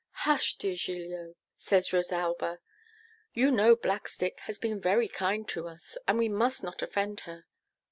'Hush! dear Giglio,' says Rosalba. 'You know Blackstick has been very kind to us, and we must not offend her.